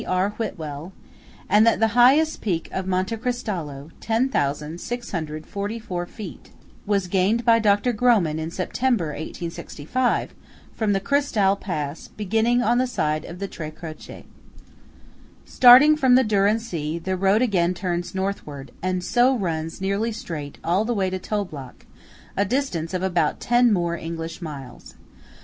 R. Whitwell; and that the highest peak of Monte Cristallo (10,644 feet) was gained by Dr. Grohmann in September, 1865, from the Cristall pass, beginning on the side of the Tre Croce. Starting from the Dürren See, the road again turns northward, and so runs nearly straight all the way to Toblach, a distance of about ten more English miles.